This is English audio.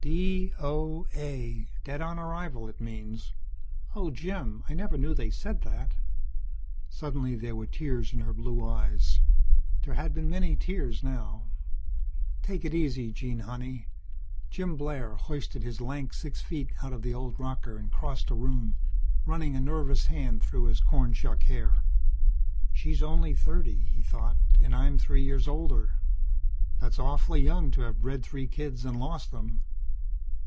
"D.O.A. Dead on arrival, it means. Oh, Jim, I never knew they said that." Suddenly there were tears in her blue eyes. There had been many tears, now. [Illustration: Illustrator: Ernie Barth] "Take it easy, Jean, honey." Jim Blair hoisted his lank six feet out of the old rocker, and crossed the room, running a nervous hand through his cornshuck hair. She's only thirty, he thought, _and I'm three years older. That's awfully young to have bred three kids and lost them.